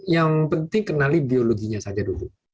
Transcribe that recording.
yang penting kenali biologinya saja dulu